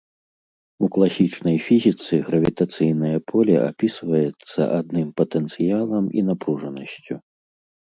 У класічнай фізіцы гравітацыйнае поле апісваецца адным патэнцыялам і напружанасцю.